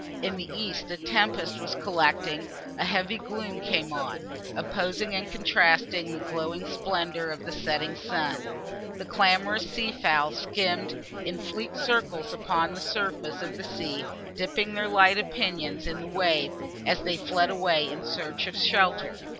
In the east a tempest was collecting; a heavy gloom came on, opposing and contrasting the glowing splendour of the setting sun. The clamorous sea fowl skimmed in fleet circles upon the surface of the sea, dipping their light pinions in the wave, as they fled away in search of shelter.